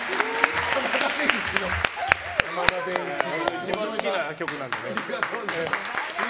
一番好きな曲なので。